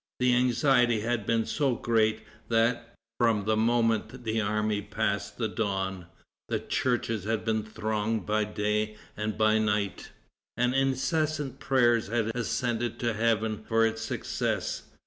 The anxiety had been so great, that, from the moment the army passed the Don, the churches had been thronged by day and by night, and incessant prayers had ascended to heaven for its success.